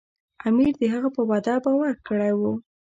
امیر د هغه په وعده باور کړی و.